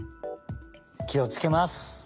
きをつけます。